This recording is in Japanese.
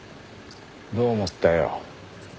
どう思ったよ？